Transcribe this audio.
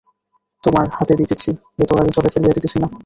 তোমার হাতে দিতেছি, এ তো আর জলে ফেলিয়া দিতেছি না।